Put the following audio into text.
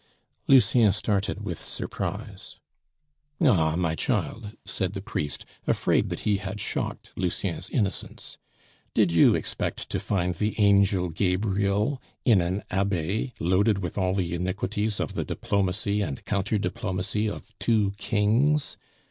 Lucien started with surprise. "Ah, my child!" said the priest, afraid that he had shocked Lucien's innocence; "did you expect to find the Angel Gabriel in an Abbe loaded with all the iniquities of the diplomacy and counter diplomacy of two kings?